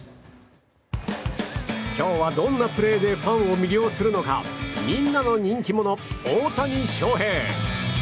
今日はどんなプレーでファンを魅了するのかみんなの人気者・大谷翔平。